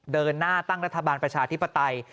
เดินหน้าตั้งรัฐบาลประชาธิปไตย